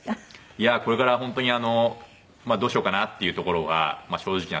いやあこれから本当にどうしようかなっていうところが正直なところで。